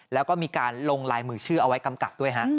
แล้วก็มีการลงลายมือชื่อเอาไว้กำกับด้วยฮะ